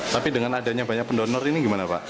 tapi dengan adanya banyak pendonor ini gimana pak